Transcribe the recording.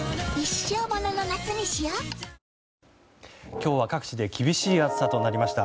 今日は各地で厳しい暑さとなりました。